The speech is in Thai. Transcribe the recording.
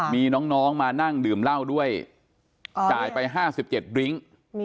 มีน้องมานั่งดื่มเหล้าด้วยจ่ายไป๕๗ดริ้ง